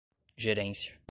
gerência